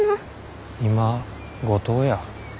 今五島や。